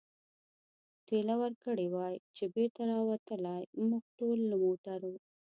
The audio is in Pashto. ټېله ورکړې وای، چې بېرته را وتلای، موږ ټول له موټرو.